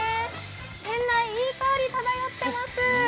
店内、いい香りが漂っています。